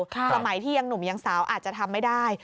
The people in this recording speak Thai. สมัยที่ยังหนุ่มยังสาวอาจจะทำไม่ได้